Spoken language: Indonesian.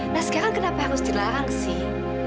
nah sekarang kenapa harus dilarang sih